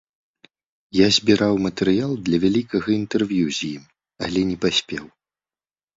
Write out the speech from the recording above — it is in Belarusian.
Я збіраў матэрыял для вялікага інтэрв'ю з ім, але не паспеў.